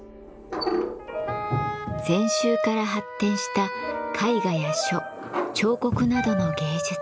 禅宗から発展した絵画や書彫刻などの芸術。